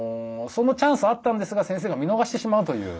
そのチャンスあったんですが先生が見のがしてしまうという。